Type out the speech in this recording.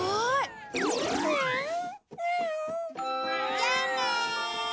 じゃあね！